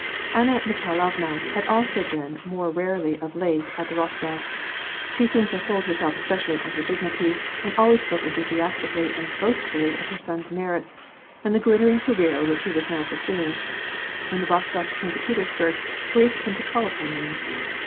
Anna Mikhailovna had also been more rarely of late at the Eostofs' ; she seemed to hold herself especially on her dignity, and always spoke enthusiastically and boastfully of her son's merits, and the glittering career which he was now pursuing. When the Rostofs came to Petersburg, Boris came to call upon them.